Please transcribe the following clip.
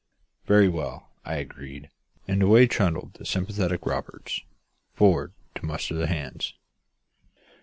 "Very well," I agreed; and away trundled the sympathetic Roberts forward to muster the hands.